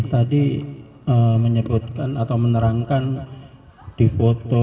tadi menyebutkan atau menerangkan di foto